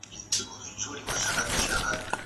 په ژمي کې د زعفرانو چای څښل ګټور دي.